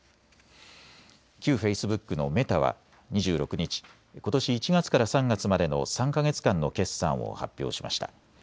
旧フェイスブックのメタは２６日、ことし１月から３月までの３か月間の決算を発表しました。